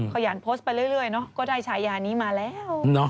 เขาอย่านโพสต์ไปเรื่อยก็ได้ฉายานี้มาแล้ว